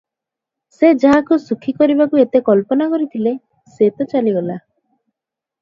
ସେ ଯାହାକୁ ସୁଖୀ କରିବାକୁ ଏତେ କଳ୍ପନା କରିଥିଲେ, ସେ ତ ଚାଲିଗଲା ।